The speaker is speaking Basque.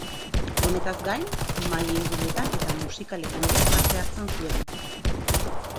Honetaz gain, mahai-inguruetan eta musikaletan ere parte hartzen zuen.